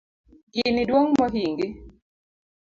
Gini duong mohingi